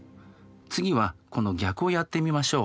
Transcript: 次はこの逆をやってみましょう。